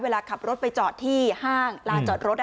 เวลาขับรถไปจอดที่ห้างลานจอดรถ